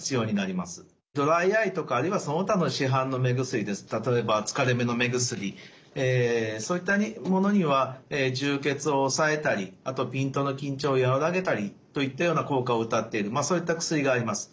ドライアイとかあるいはその他の市販の目薬ですと例えば疲れ目の目薬そういったものには充血を抑えたりピントの緊張をやわらげたりといったような効果をうたっているそういった薬があります。